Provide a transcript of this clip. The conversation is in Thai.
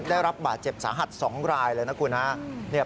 ได้รับบาดเจ็บสาหัสสองรายเลยนะคุณฮะ